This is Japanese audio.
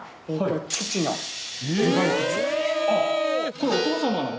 これお父様の？